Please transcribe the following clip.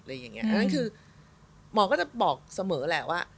แล้วนั้นคือหมอก็จะบอกเสมอแหละว่า